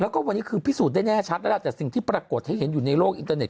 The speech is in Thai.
แล้วก็วันนี้คือพิสูจน์ได้แน่ชัดแล้วล่ะแต่สิ่งที่ปรากฏให้เห็นอยู่ในโลกอินเตอร์เน็